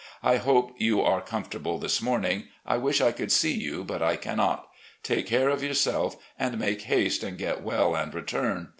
I hope you are comfortable this morning. I wish I could see you, but I cannot. Take care of your self, and make haste and get well and return.